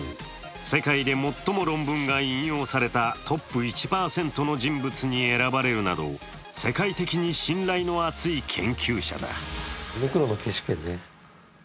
世界で最も論文が引用されたトップ１％の人物に選ばれるなど世界的に信頼の厚い研究者だ。